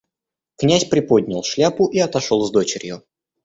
Князь приподнял шляпу и отошел с дочерью.